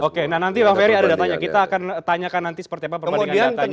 oke nanti pak wery ada datanya kita akan tanyakan nanti seperti apa perbandingan datanya